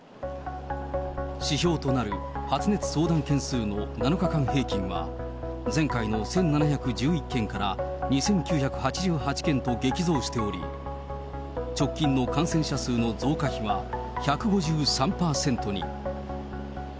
指標となる発熱相談件数の７日間平均は、前回の１７１１件から２９８８件と激増しており、直近の感染者数の増加比は１５３％に。